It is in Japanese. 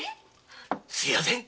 すみません。